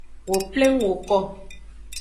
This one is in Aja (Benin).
Wo pleng woko.